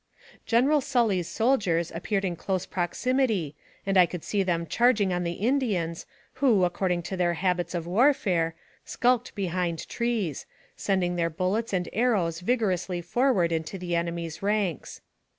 General Bully's soldiers appeared in close proximity, and I could see them charging on the Indians, who, according to their habits of warfare, skulked behind trees, sending their bullets and arrows vigorously for ward into the enemy's ranks.